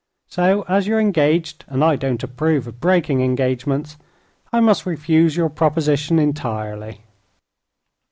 So, as you're engaged, and I don't approve of breaking engagements, I must refuse your proposition entirely."